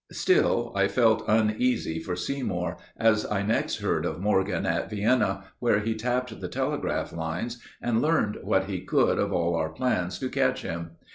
Still I felt uneasy for Seymour, as I next heard of Morgan at Vienna, where he tapped the telegraph lines and learned what he could of all our plans to catch him.